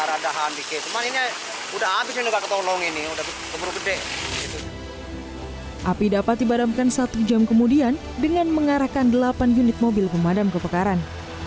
api dapat dibadamkan satu jam kemudian dengan mengarahkan delapan unit mobil pemadam kebakaran